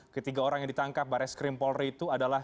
ketiga orang yang ditangkap baret skrim polri itu adalah